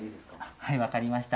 はい、分かりました。